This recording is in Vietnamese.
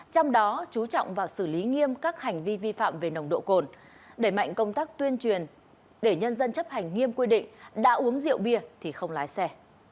trong đó chú trọng vào xử lý nghiêm các hành vi vi phạm về nồng độ cồn đẩy mạnh công tác tuyên truyền để nhân dân chấp hành nghiêm quy định đã uống rượu bia thì không lái xe